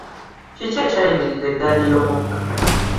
Kiki ekyayimiriza eggaali y'omukka?